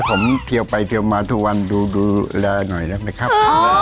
ขอให้ผมเที่ยวไปเที่ยวมาทุกวันดูแลหน่อยนะครับ